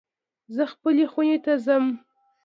زه خپلی خونی ته ځم